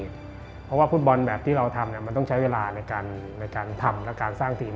เพราะว่าฟุตบอลแบบที่เราทำมันต้องใช้เวลาในการทำและการสร้างทีม